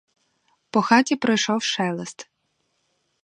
По хаті пройшов шелест.